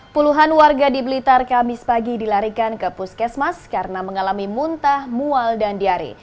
puluhan warga di blitar kamis pagi dilarikan ke puskesmas karena mengalami muntah mual dan diare